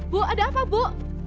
bu ada apa bu